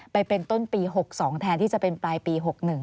ไปเป็นต้นปี๖๒แทนที่จะเป็นปลายปี๖๑